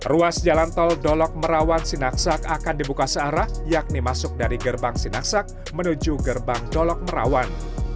ruas jalan tol dolok merawan sinaksak akan dibuka searah yakni masuk dari gerbang sinaksak menuju gerbang dolok merawan